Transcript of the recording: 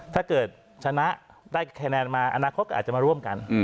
ถ้าเกิดชนะได้คะแนนมาอนาคตก็อาจจะมาร่วมกัน